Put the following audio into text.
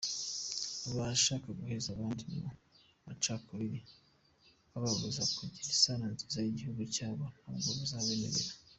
Abashaka guheza abandi mu macakubiri, bababuza kugira isano nziza n’igihugu cyabo, ntabwo tuzabemerera ».